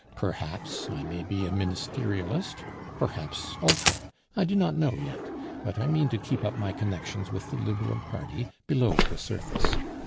Perhaps I may be a Ministerialist, perhaps Ultra, I do not know yet; but I mean to keep up my connections with the Liberal party (below the surface).